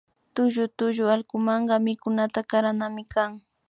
Tullu tullu allkumanka mikunata karanami kan